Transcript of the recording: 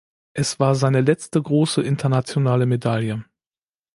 Es war seine letzte große internationale Medaille.